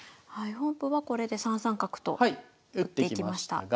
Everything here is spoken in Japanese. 本譜はこれで３三角と打っていきました。